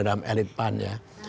dalam elit pan ya